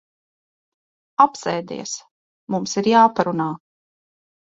Apsēdies. Mums ir jāparunā.